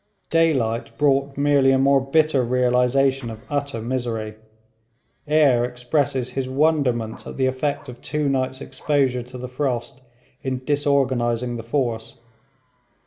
Daylight brought merely a more bitter realisation of utter misery. Eyre expresses his wonderment at the effect of two nights' exposure to the frost in disorganising the force.